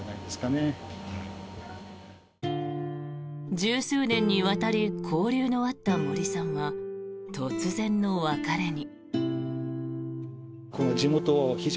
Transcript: １０数年にわたり交流のあった森さんは突然の別れに。